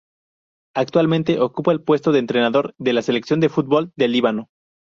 Actualmente ocupa el puesto de entrenador de la selección de fútbol del Líbano.